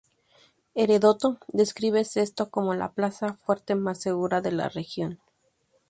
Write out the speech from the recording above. Heródoto describe Sesto como la plaza fuerte más segura de la región.